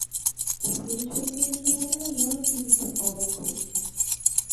ফিরোজ ভাইকে দেখে মনে হলো, তিনি খুব অবাক হয়েছেন।